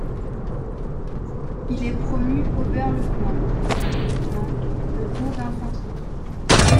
Il est promu Oberleutnant, lieutenant, le au d’infanterie.